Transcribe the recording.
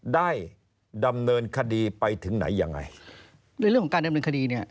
ได้ดำเนินคดีไปถึงไหนยังไงในเรื่องของการดำเนินคดีเนี่ย